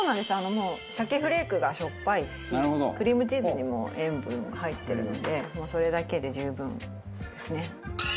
もう鮭フレークがしょっぱいしクリームチーズにも塩分入ってるのでもうそれだけで十分ですね。